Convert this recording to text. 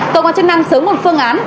có chức năng sớm một phương án